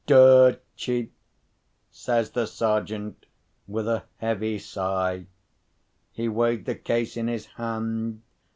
"Dirt cheap!" says the Sergeant, with a heavy sigh. He weighed the case in his hand.